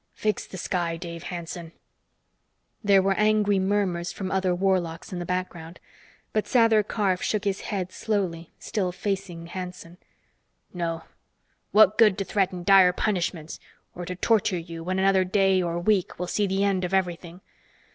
"Fix the sky, Dave Hanson!" There were angry murmurs from other warlocks in the background, but Sather Karf shook his head slowly, still facing Hanson. "No what good to threaten dire punishments or to torture you when another day or week will see the end of everything?